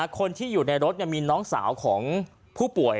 คนที่อยู่ในรถมีน้องสาวของผู้ป่วย